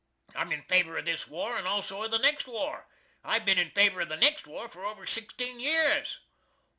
I'm in favor of this war and also of the next war. I've been in favor of the next war for over sixteen years!"